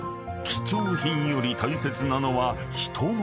貴重品より大切なのは人の命］